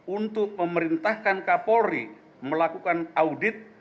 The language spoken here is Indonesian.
untuk memerintahkan kapolri melakukan audit